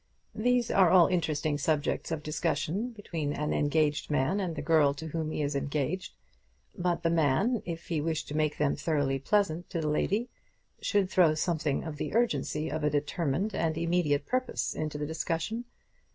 These are all interesting subjects of discussion between an engaged man and the girl to whom he is engaged; but the man, if he wish to make them thoroughly pleasant to the lady, should throw something of the urgency of a determined and immediate purpose into the discussion.